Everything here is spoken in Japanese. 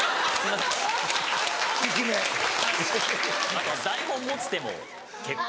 ・あとは台本持つ手も結構。